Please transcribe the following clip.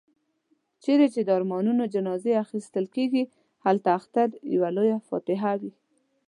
چيري چي د ارمانونو جنازې اخيستل کېږي، هلته اختر يوه لويه فاتحه وي.